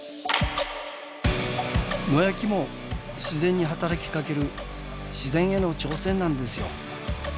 野焼きも自然に働きかける自然への挑戦なんですよ。